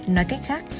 nói cách khác